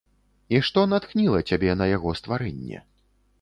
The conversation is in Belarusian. І што натхніла цябе на яго стварэнне?